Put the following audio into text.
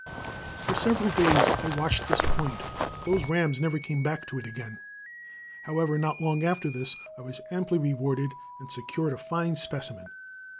] For several days I watched this point, but those rams never came back to it again. However, not long after this I was amply rewarded, and secured a fine specimen.